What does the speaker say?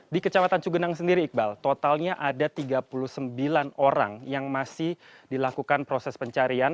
di kecamatan cugenang sendiri iqbal totalnya ada tiga puluh sembilan orang yang masih dilakukan proses pencarian